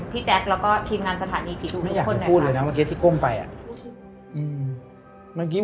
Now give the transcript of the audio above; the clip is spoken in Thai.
พี่แจ็คและทีมงานสถานีพี่ทุกคนหน่อยคะ